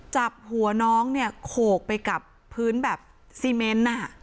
จับหัวน้องโขกไปกับพื้นแบบเซเมน